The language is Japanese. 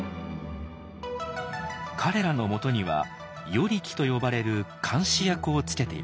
彼らのもとには「与力」と呼ばれる監視役をつけていました。